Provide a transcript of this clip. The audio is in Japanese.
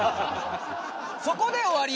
そこで終わり？